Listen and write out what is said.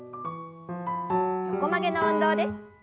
横曲げの運動です。